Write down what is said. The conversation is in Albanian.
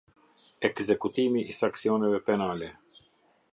Ekzekutimi i sanksioneve penale.